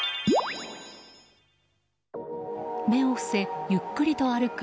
目を伏せゆっくりと歩く